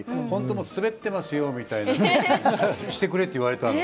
もうスベってますよみたいな空気にしてくれって言われたの。